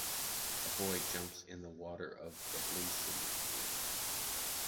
A boy jumps in the water of the blue swimming pool.